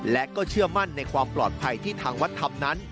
และก็เชื่อมั่นในความปลอดภัยที่ทางวัดทำนั้น